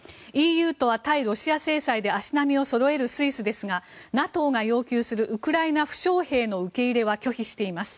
ＥＵとは対ロシア制裁で足並みをそろえるスイスですがＮＡＴＯが要求するウクライナ負傷兵の受け入れは拒否しています。